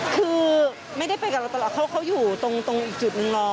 คือไม่ได้ไปกับเราตลอดเพราะเขาอยู่ตรงอีกจุดหนึ่งรอ